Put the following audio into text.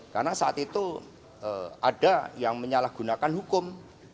karena saat itu ada yang menyalahgunakan hukum